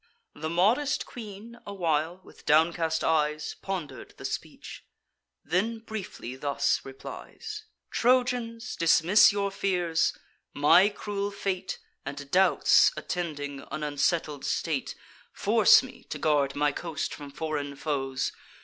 The modest queen a while, with downcast eyes, Ponder'd the speech; then briefly thus replies: "Trojans, dismiss your fears; my cruel fate, And doubts attending an unsettled state, Force me to guard my coast from foreign foes.